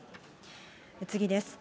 次です。